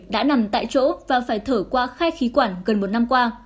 đã nằm tại chỗ và phải thở qua khai khí quản gần một năm qua